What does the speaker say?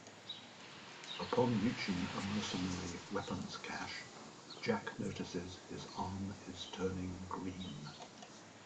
Upon reaching a mercenary weapons cache, Jack notices his arm is turning green.